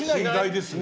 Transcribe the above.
×ですね。